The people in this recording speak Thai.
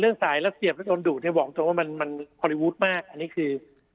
สายแล้วเสียบแล้วโดนดูดเนี่ยบอกตรงว่ามันฮอลลีวูดมากอันนี้คือ